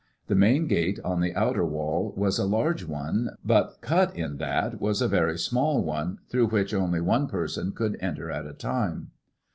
The main gate on the outer wall was a large one, but cut in that was a very small one, through which only one person could enter at a time.